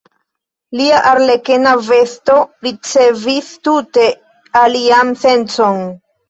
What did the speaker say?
Lia arlekena vesto ricevis tute alian sencon.